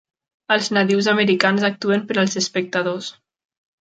Els nadius americans actuen per als espectadors